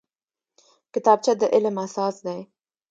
کتابچه د علم اساس دی